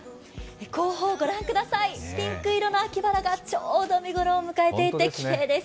後方を御覧ください、ピンク色の秋バラがちょうど見頃を迎えていてきれいです。